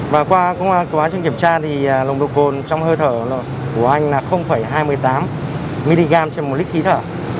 và qua quá trình kiểm tra thì nồng độ cồn trong hơi thở của anh là hai mươi tám mg trên một lít khí thở